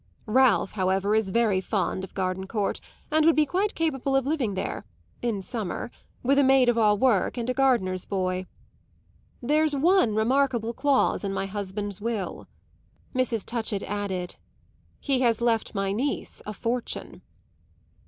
Ralph, however, is very fond of Gardencourt and would be quite capable of living there in summer with a maid of all work and a gardener's boy. There's one remarkable clause in my husband's will," Mrs. Touchett added. "He has left my niece a fortune."